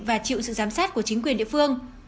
và chịu sự giám sát của chính quyền địa phương